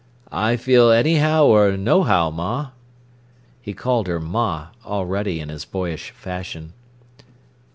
"I feel anyhow or nohow, ma." He called her "ma" already in his boyish fashion.